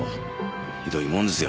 ひどいもんですよ。